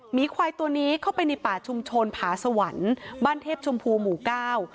หมีควายตัวนี้เข้าไปในป่าชุมชนผาสวรรค์บ้านเทพชมพูหมู่เก้า